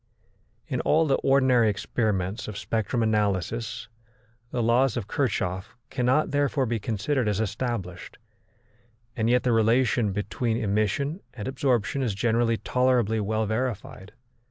In all the ordinary experiments of spectrum analysis the laws of Kirchhoff cannot therefore be considered as established, and yet the relation between emission and absorption is generally tolerably well verified.